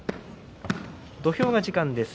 土俵が時間です。